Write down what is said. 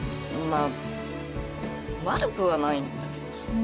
まあ悪くはないんだけどさ。